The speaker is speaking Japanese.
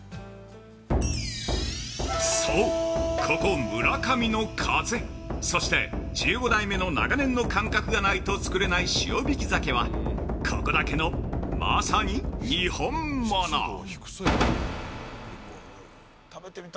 ここ村上の風、そして１５代目の長年の感覚がないと作れない塩引き鮭はここだけの、まさに「にほんもの」！